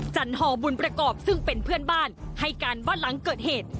จันหอบุญประกอบซึ่งเป็นเพื่อนบ้านให้การว่าหลังเกิดเหตุ